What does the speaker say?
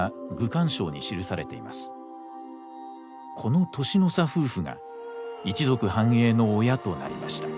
この年の差夫婦が一族繁栄の親となりました。